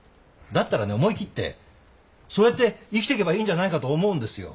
だったらね思い切ってそうやって生きてけばいいんじゃないかと思うんですよ。